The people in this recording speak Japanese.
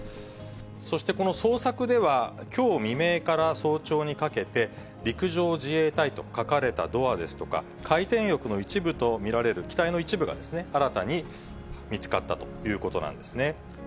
そしてこの捜索では、きょう未明から早朝にかけて、陸上自衛隊と書かれたドアですとか、回転翼の一部と見られる機体の一部が、新たに見つかったということなんですね。